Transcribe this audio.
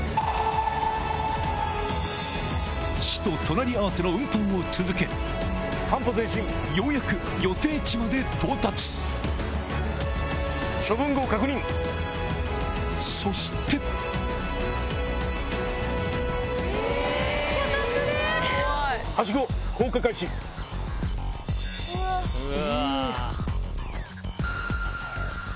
死と隣り合わせの運搬を続けようやく予定地まで到達そして脚立で⁉うわ。